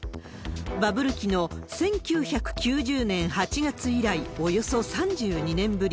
バブル期の１９９０年８月以来、およそ３２年ぶり。